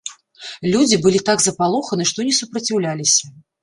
Людзі былі так запалоханы, што не супраціўляліся.